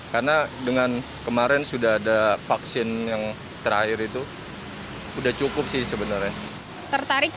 karena dengan kemarin sudah ada vaksin yang terakhir itu udah cukup sih sebenarnya tertarik